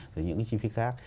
rồi những cái chi phí khác